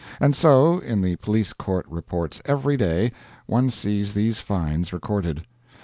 And so, in the police court reports every day, one sees these fines recorded.